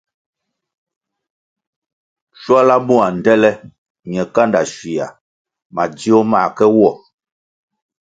Schuala mua ndtele ñe kanda schuia madzio mãh ke wo.